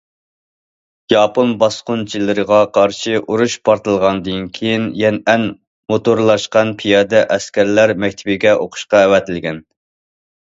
ياپون باسقۇنچىلىرىغا قارشى ئۇرۇش پارتلىغاندىن كېيىن، يەنئەن موتورلاشقان پىيادە ئەسكەرلەر مەكتىپىگە ئوقۇشقا ئەۋەتىلگەن.